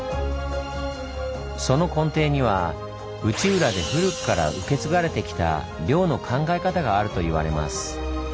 その根底には内浦で古くから受け継がれてきた漁の考え方があるといわれます。